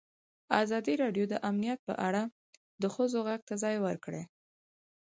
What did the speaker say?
ازادي راډیو د امنیت په اړه د ښځو غږ ته ځای ورکړی.